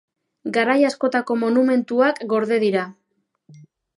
Garai askotako monumentuak gorde dira.